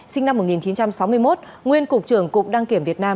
sinh năm một nghìn chín trăm sáu mươi một nguyên cục trưởng cục đăng kiểm việt nam